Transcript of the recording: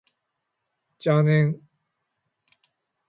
邪念